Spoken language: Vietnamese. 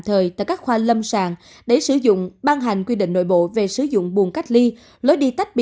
thời tại các khoa lâm sàng để sử dụng ban hành quy định nội bộ về sử dụng buồn cách ly lối đi tách bị